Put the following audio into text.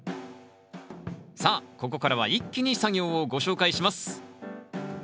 さあここからは一気に作業をご紹介します。